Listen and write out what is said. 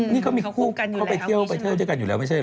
นี่เขามีคู่เขาไปเที่ยวเจอกันอยู่แล้วไม่ใช่เหรอ